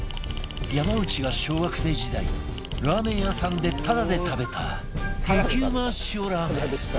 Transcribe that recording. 山内が小学生時代ラーメン屋さんでタダで食べた激うま塩ラーメン